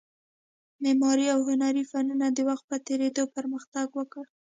معماري او هنري فنونو د وخت په تېرېدو پرمختګ وکړ